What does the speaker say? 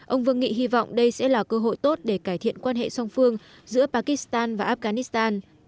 ông vương nghị hy vọng đây sẽ là cơ hội tốt để cải thiện quan hệ song phương giữa pakistan và afghanistan